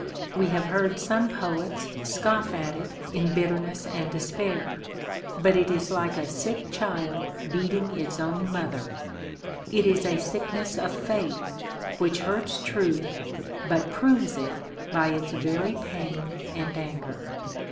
We have heard some poets scoff at it in bitterness and despair; but it is like a sick child beating its own mother—it is a sickness of faith, which hurts truth, but proves it by its very pain and anger.